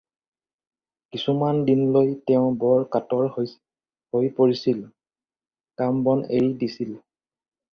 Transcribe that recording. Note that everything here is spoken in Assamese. কিছুমান দিনলৈ তেওঁ বৰ কাতৰ হৈ পৰিছিল, কাম-বন এৰি দিছিল।